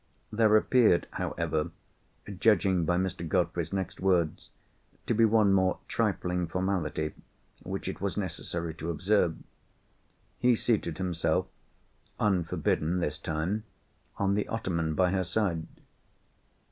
There appeared, however, judging by Mr. Godfrey's next words, to be one more trifling formality which it was necessary to observe. He seated himself—unforbidden this time—on the ottoman by her side.